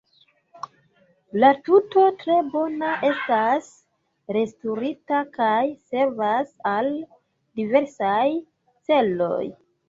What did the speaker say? La tuto tre bone estas restaŭrita kaj servas al diversaj celoj.